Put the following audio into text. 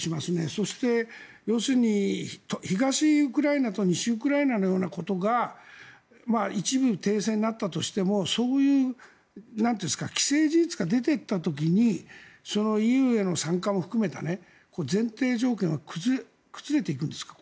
そして、東ウクライナと西ウクライナのようなことが一部、停戦になったとしてもそういう既成事実が出てった時にＥＵへの参加も含めた前提条件は崩れていくんですか。